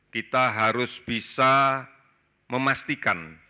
kita harus bisa memastikan